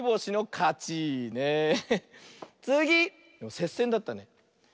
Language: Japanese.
せっせんだったね。